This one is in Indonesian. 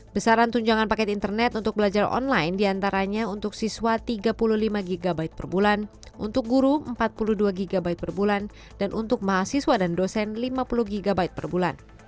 besaran tunjangan paket internet untuk belajar online diantaranya untuk siswa tiga puluh lima gb per bulan untuk guru empat puluh dua gb per bulan dan untuk mahasiswa dan dosen lima puluh gb per bulan